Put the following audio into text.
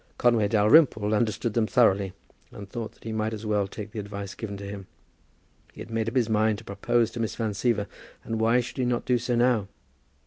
Conway Dalrymple understood them thoroughly, and thought that he might as well take the advice given to him. He had made up his mind to propose to Miss Van Siever, and why should he not do so now?